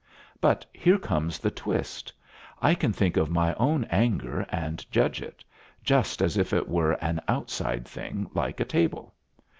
But here comes the twist. I can think of my own anger and judge it, just as if it were an outside thing, like a table.